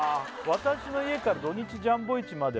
「私の家から土・日ジャンボ市までは」